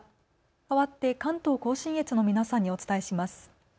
かわって関東甲信越の皆さんにお伝えします。